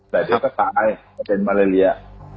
แต่เดี๋ยวก็ตายจะเป็นมาเลีย